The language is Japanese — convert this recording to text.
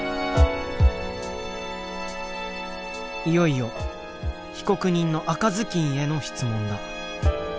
いよいよ被告人の赤ずきんへの質問だ。